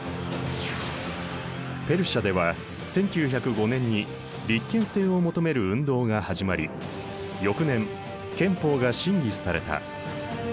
ペルシャでは１９０５年に立憲制を求める運動が始まり翌年憲法が審議された。